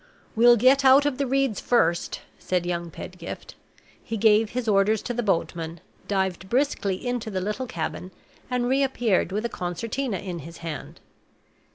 "We'll get out of the reeds first," said young Pedgift. He gave his orders to the boatmen, dived briskly into the little cabin, and reappeared with a concertina in his hand.